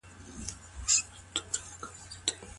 صحابه وو چي رسول الله ولید نو قربانۍ یې پیل کړې.